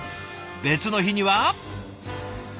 別の日には。